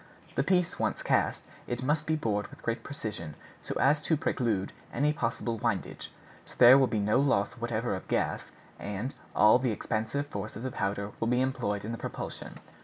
The piece once cast, it must be bored with great precision, so as to preclude any possible windage. So there will be no loss whatever of gas, and all the expansive force of the powder will be employed in the propulsion."